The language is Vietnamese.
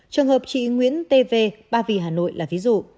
trường hợp chị nguyễn t v ba vị hà nội là ví dụ